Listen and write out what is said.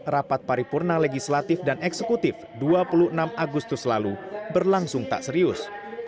rapat paripurna legislatif dan eksekutif dua puluh enam agustus lalu berlangsung tak serius